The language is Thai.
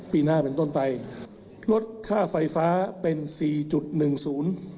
ปีหน้าเป็นต้นไปลดค่าไฟฟ้าเป็นสี่จุดหนึ่งศูนย์